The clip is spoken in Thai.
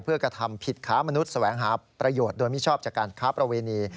เพื่อกระทำผิดค้ามนุษย์แสวงหาประโยชน์โดยมิชอบจากการค้าประเวณี